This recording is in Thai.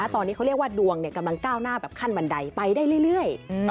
ตอนนี้เขาเรียกว่าดวงกำลังก้าวหน้าแบบขั้นบันไดไปได้เรื่อย